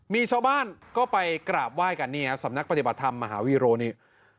มีชาวบ้านก็ไปกราบไหว้กันนี่ฮะสำนักปฏิบัติธรรมมหาวีโรนี่